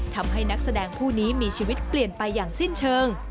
ทำให้นักแสดงผู้นี้มีชีวิตเปลี่ยนไปอย่างสิ้นเชิง